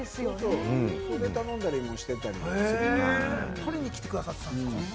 取りに来てくださってたんですか？